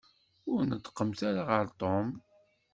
Ur neṭṭqemt ara ɣer Tom.